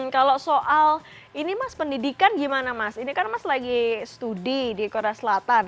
kalau soal ini mas pendidikan gimana mas ini kan mas lagi studi di korea selatan